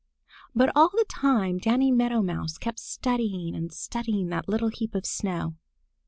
But all the time Danny Meadow Mouse kept studying and studying that little heap of snow.